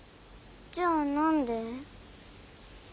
じゃあ何で？